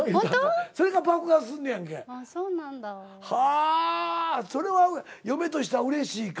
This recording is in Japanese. あそれは嫁としてはうれしいか。